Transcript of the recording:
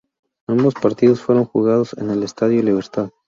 Ambos partidos fueron jugados en el Estadio Libertad.